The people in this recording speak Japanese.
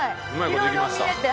いろいろ見れて。